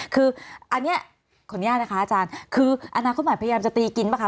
คืออันนี้ขออนุญาตนะคะอาจารย์คืออนาคตใหม่พยายามจะตีกินป่ะค